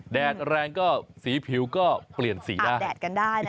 แดดแรงก็สีผิวก็เปลี่ยนสีได้